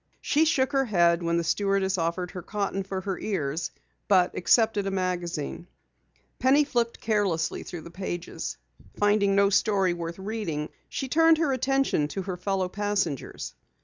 She shook her head when the stewardess offered her cotton for her ears, but accepted a magazine. Penny flipped carelessly through the pages. Finding no story worth reading, she turned her attention to her fellow passengers.